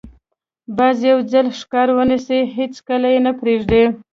باز یو ځل ښکار ونیسي، هېڅکله یې نه پرېږدي